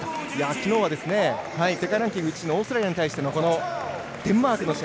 きのうは、世界ランキング１位のオーストラリアに対してのデンマークの試合